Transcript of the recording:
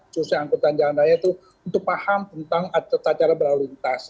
susi angkutan jalan raya itu untuk paham tentang acara berlalu lintas